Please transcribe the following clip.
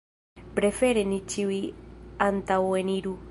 Prefere ni ĉiuj antaŭeniru.